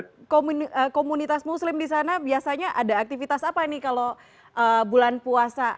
tapi komunitas muslim di sana biasanya ada aktivitas apa ini kalau bulan puasa